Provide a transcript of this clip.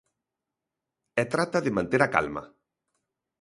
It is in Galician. E trata de manter a calma.